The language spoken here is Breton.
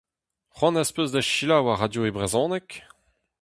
C'hoant az peus da selaou ar radio e brezhoneg ?